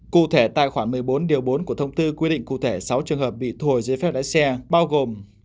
cụ thể tài khoản một mươi bốn điều bốn của thông tư quy định cụ thể sáu trường hợp bị thu hồi giấy phép lái xe bao gồm